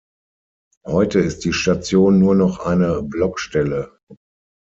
Heute ist die Station nur noch eine Blockstelle.